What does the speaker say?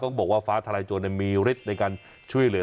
ก็บอกว่าฟ้าทลายโจรมีฤทธิ์ในการช่วยเหลือ